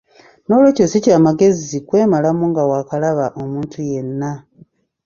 Nolwekyo si kya magezi kwemalamu nga waakalaba omuntu yenna.